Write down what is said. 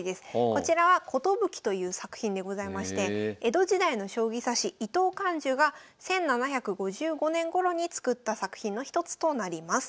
こちらは「寿」という作品でございまして江戸時代の将棋指し伊藤看寿が１７５５年ごろに作った作品の一つとなります。